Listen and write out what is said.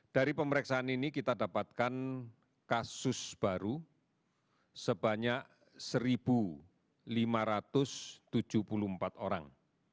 dari pemeriksaan ini kita dapatkan kasus baru sebanyak satu lima ratus tujuh puluh empat orang